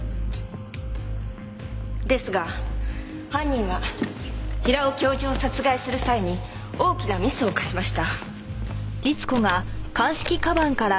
ですが犯人は平尾教授を殺害する際に大きなミスを犯しました。